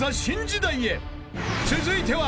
［続いては］